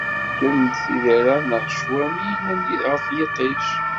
Isken-d tiderra neɣ ccwami i illan ɣef yiṭij.